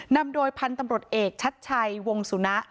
นำโดยพันธุ์ตำรวจเอกชัดชัยวงสุนะ